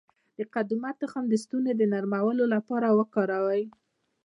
د قدومه تخم د ستوني د نرمولو لپاره وکاروئ